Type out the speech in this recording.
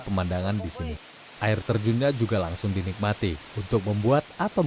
pemandangan di sini air terjunnya juga langsung dinikmati untuk membuat atau